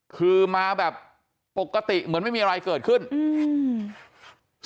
คือมาแบบปกติเหมือนไม่มีอะไรเกิดขึ้นอืม